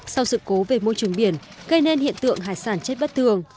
sau sự cố về môi trường biển gây nên hiện tượng hải sản chết bất thường